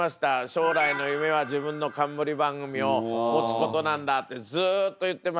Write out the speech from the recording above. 「将来の夢は自分の冠番組を持つことなんだ」ってずっと言ってました。